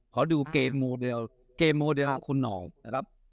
ขอดูเกมโมเดลเกมโมเดลของคุณหน่อยนะครับ